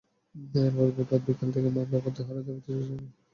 এরপর বুধবার বিকেল থেকে মামলা প্রত্যাহারের দাবিতে চিকিৎসকদের কর্মসূচি শুরু হয়।